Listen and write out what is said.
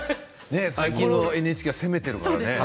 最近のＮＨＫは攻めているからね。